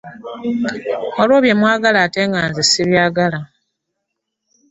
Waliwo bye mwagala ate nga nze sibyagala.